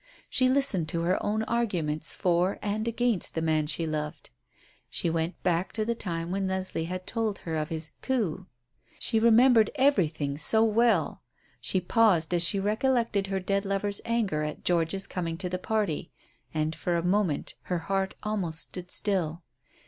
She listened to her own arguments for and against the man she loved. She went back to the time when Leslie had told her of his "coup." She remembered everything so well. She paused as she recollected her dead lover's anger at George's coming to the party. And, for a moment, her heart almost stood still.